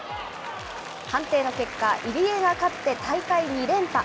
判定の結果、入江が勝って、大会２連覇。